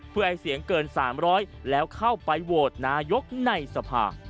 เพื่อให้เสียงเกิน๓๐๐แล้วเข้าไปโหวตนายกในสภา